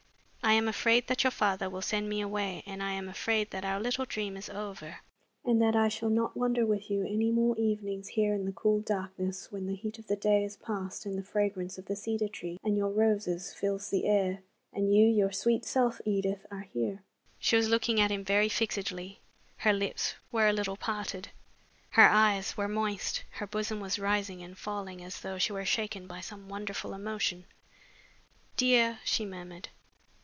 I am afraid that your father will send me away, and I am afraid that our little dream is over and that I shall not wander with you any more evenings here in the cool darkness, when the heat of the day is past and the fragrance of the cedar tree and your roses fills the air, and you, your sweet self, Edith, are here." She was looking at him very fixedly. Her lips were a little parted, her eyes were moist, her bosom was rising and falling as though she were shaken by some wonderful emotion. "Dear!" she murmured.